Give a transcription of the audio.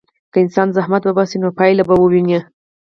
که انسان زحمت وباسي، نو پایله به وویني.